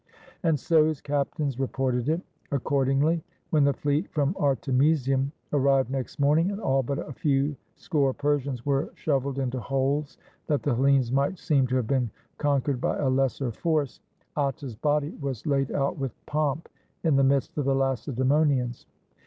And so his captains reported it. Accordingly, when the fleet from Artemisium ar rived next morning, and all but a few score Persians were shoveled into holes that the Hellenes might seem to have been conquered by a lesser force, Atta's body was laid out with pomp in the midst of the Lacedaemonians.